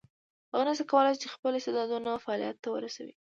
هغه نشي کولای خپل استعدادونه فعلیت ته ورسوي.